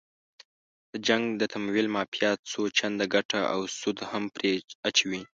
د جنګ د تمویل مافیا څو چنده ګټه او سود هم پرې اچوي.